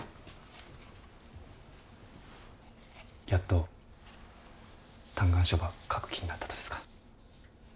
やっと嘆願書ば書く気になったとですか？